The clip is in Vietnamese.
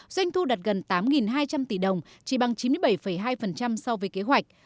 doanh thu đạt gần tám hai trăm linh tỷ đồng chỉ bằng chín mươi bảy hai so với kế hoạch